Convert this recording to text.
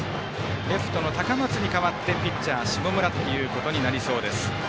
レフトの高松に代わってピッチャー下村ということになりそうです。